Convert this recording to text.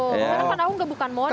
karena kan aku bukan model